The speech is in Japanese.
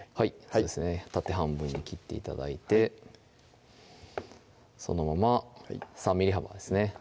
そうですね縦半分に切って頂いてそのまま３ｍｍ幅ですね